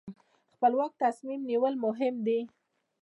خپلواک تصمیم نیول مهم دي.